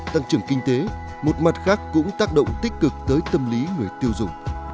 tăng trưởng kinh tế một mặt khác cũng tác động tích cực tới tâm lý người tiêu dùng